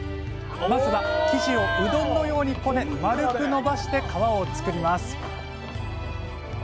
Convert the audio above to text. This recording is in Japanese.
まずは生地をうどんのようにこね丸く伸ばして皮を作ります。